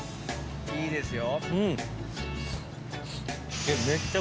いいですよ。